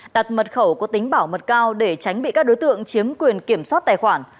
đặt mật khẩu có tính bảo mật cao để tránh bị các đối tượng chiếm quyền kiểm soát tài khoản